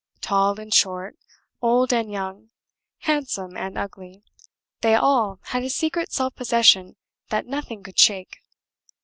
Tall and short, old and young, handsome and ugly, they all had a secret self possession that nothing could shake.